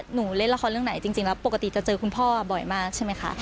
เล่นละครเรื่องไหนจริงแล้วปกติจะเจอคุณพ่อบ่อยมากใช่ไหมคะ